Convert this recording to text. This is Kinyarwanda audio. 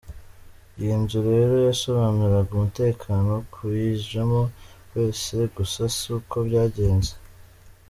Iyi nzu rero yasobanuraga umutekano k’uyijemo wese gusa si ko byagenze”.